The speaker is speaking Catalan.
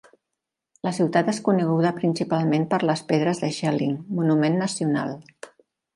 La ciutat és coneguda principalment per les pedres de Jelling, monument nacional.